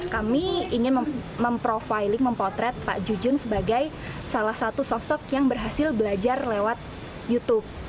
kami ingin memprofiling mempotret pak jujun sebagai salah satu sosok yang berhasil belajar lewat youtube